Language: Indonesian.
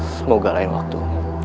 semoga lain waktu